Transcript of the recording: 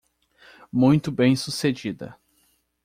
Muito bem sucedida.